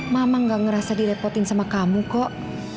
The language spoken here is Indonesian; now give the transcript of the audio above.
mama gak ngerasa direpotin sama kamu kok